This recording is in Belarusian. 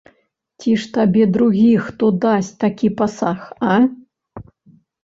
Ці ж табе другі хто дасць такі пасаг, а?